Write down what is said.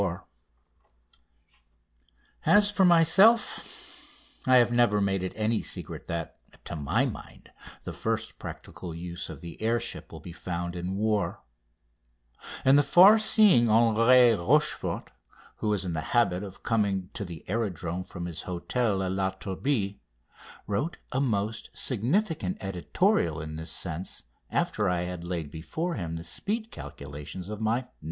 [Illustration: IN THE BAY OF MONACO] As for myself, I have never made it any secret that, to my mind, the first practical use of the air ship will be found in war, and the far seeing Henri Rochefort, who was in the habit of coming to the aerodrome from his hotel at La Turbie, wrote a most significant editorial in this sense after I had laid before him the speed calculations of my "No.